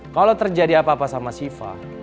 kalau terjadi apa apa sama sifa